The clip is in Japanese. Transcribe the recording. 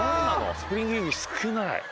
スプリング遊具少ない。